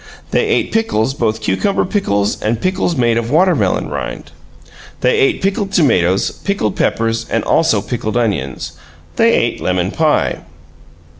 They ate pickles, both cucumber pickles and pickles made of watermelon rind; they ate pickled tomatoes, pickled peppers, also pickled onions. They ate lemon pie.